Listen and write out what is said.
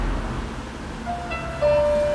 زه اوږده وخت د ورزش کولو تمرين کوم وم.